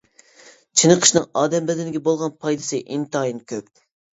چېنىقىشنىڭ ئادەم بەدىنىگە بولغان پايدىسى ئىنتايىن كۆپ.